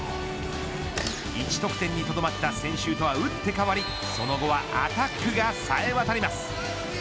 １得点にとどまった先週とは打って変わりその後はアタックがさえわたります。